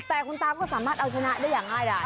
แต่คุณตาก็สามารถเอาชนะได้อย่างง่ายได้